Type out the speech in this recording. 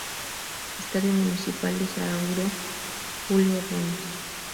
Estadio Municipal de Saraguro "Julio Ordoñez"